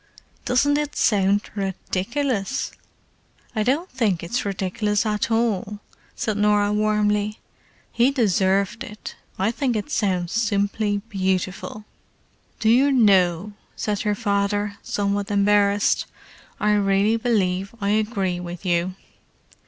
"Doesn't it sound ridiculous!" "I don't think it's ridiculous at all," said Norah warmly. "He deserved it. I think it sounds simply beautiful!" "Do you know," said her father, somewhat embarrassed—"I really believe I agree with you!"